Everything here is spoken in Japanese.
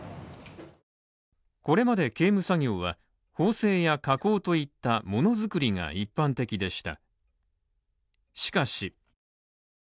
これまで刑務作業は、縫製や加工といった物作りが一般的でした。